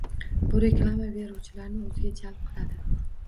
Bu reklama beruvchilarni o’ziga jalb qiladi